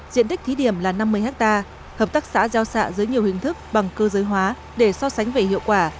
diện tích thí điểm là năm mươi hectare hợp tác xã giao xạ dưới nhiều hình thức bằng cơ giới hóa để so sánh về hiệu quả